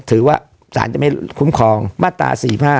ถือว่าสารจะไม่คุ้มครองมาตรา๔๕